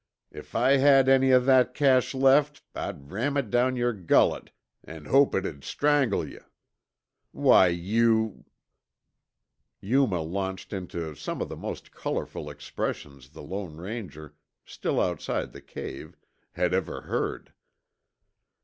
If I had any o' that cash left I'd ram it down yer gullet an' hope it'd strangle yuh. Why, you " Yuma launched into some of the most colorful expressions the Lone Ranger, still outside the cave, had ever heard.